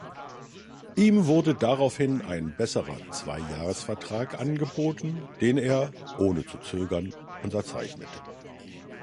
Ihm wurde daraufhin ein besserer Zwei-Jahres-Vertrag angeboten, den er, ohne zu zögern, unterzeichnete.